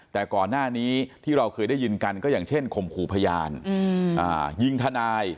แต่ก่อนหน้านี้ที่เราเคยได้ยินกันก็อย่างเช่นข่มขู่พยานยิงทนาย